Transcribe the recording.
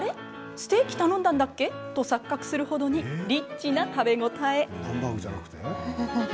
ステーキ頼んだんだっけ？と錯覚するほどにリッチな食べ応え。